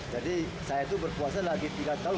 jadi saya itu berpuasa lagi tiga tahun